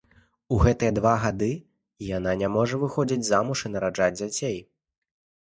У гэтыя два гады яна не можа выходзіць замуж і нараджаць дзяцей.